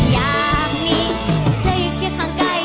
อยากมีเธออยู่ที่ข้างไกล